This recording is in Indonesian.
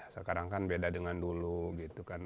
sekarang kan beda dengan dulu gitu kan